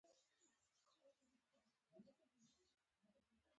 دا د زرغون هلال په پراخه لمن کې پراختیا موندلې ده.